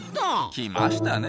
来ましたね